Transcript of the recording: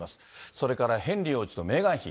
それからヘンリー王子とメーガン妃。